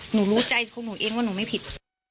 หนูรู้ใจของหนูเองว่าหนูไม่ผิด